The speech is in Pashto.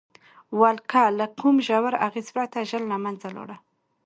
ولکه له کوم ژور اغېز پرته ژر له منځه لاړه.